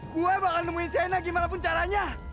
gue bakal nemuin china gimana pun caranya